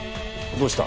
どうした？